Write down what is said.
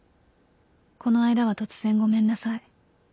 この間は突然ごめんなさい」